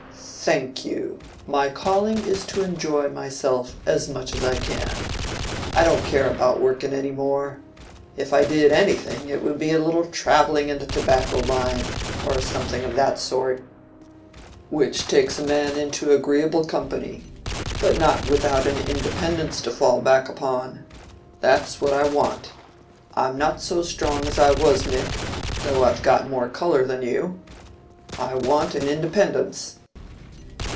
"Thank you, my calling is to enjoy myself as much as I can. I don't care about working any more. If I did anything it would be a little travelling in the tobacco line—or something of that sort, which takes a man into agreeable company. But not without an independence to fall back upon. That's what I want: I'm not so strong as I was, Nick, though I've got more color than you. I want an independence."